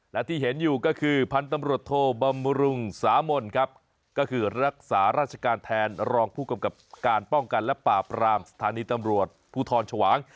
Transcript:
และที่เห็นอยู่ก็คือพันธุ์ตำรวจโทบำรุงสามนครับก็คือรักษาราชการแทนรองผู้กำกับการป้องกันและปราบรามสถานีตำรวจภูทรชวาง